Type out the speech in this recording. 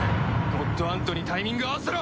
ゴッドアントにタイミング合わせろ！